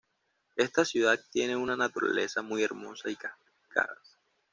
Esta ciudad tiene una naturaleza muy hermosa y cascadas.